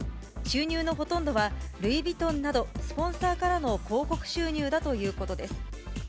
収入のほとんどは、ルイ・ヴィトンなど、スポンサーからの広告収入だということです。